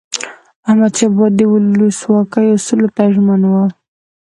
احمدشاه بابا به د ولسواکۍ اصولو ته ژمن و.